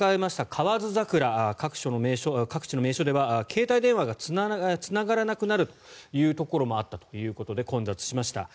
カワヅザクラ各地の名所では携帯電話がつながらなくなるというところもあったということで混雑しました。